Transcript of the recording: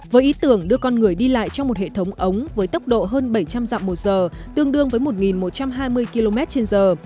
với ý tưởng đưa con người đi lại trong một hệ thống ống với tốc độ hơn bảy trăm linh dặm một giờ tương đương với một một trăm hai mươi km trên giờ